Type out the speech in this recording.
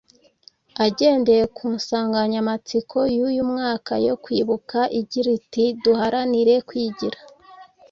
agendeye ku nsanganyamatsiko y’uyu mwaka yo kwibuka igira iti “ Duharanire kwigira”